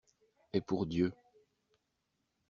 Et pour Dieu!